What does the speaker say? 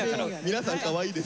皆さんかわいいです。